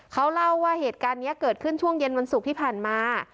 เขาเล่าว่าเหตุการณ์นี้เกิดขึ้นช่วงเย็นวันศุกร์ที่ผ่านมา